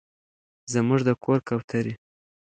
زموږ د کور کوترې